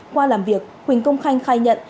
qua làm việc huỳnh công khanh khai nhận